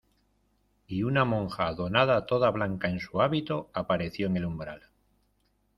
y una monja donada toda blanca en su hábito, apareció en el umbral: